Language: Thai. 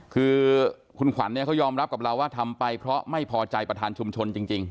คือคุณขวัญเขายอมรับกับเราว่าทำไปเพราะไม่พอใจประธานชุมชนจริง